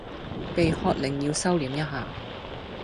被喝令要收歛一下